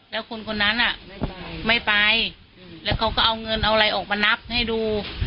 แล้วคนคนนั้นไม่ไปแล้วเขาก็เอาเงินเอาอะไรออกมานับให้ดู